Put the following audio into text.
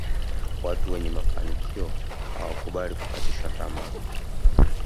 Watu wenye mafanikio hawakubali kukatishwa tamaa